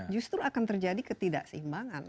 justru akan terjadi ketidakseimbangan